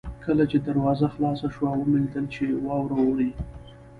کله چې دروازه خلاصه شوه ومې لیدل چې واوره اورې.